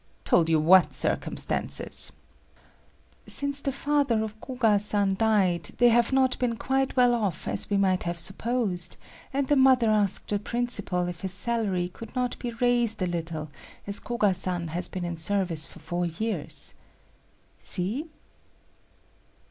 "Told you what circumstances?" "Since the father of Koga san died, they have not been quite well off as we might have supposed, and the mother asked the principal if his salary could not be raised a little as Koga san has been in service for four years. See?"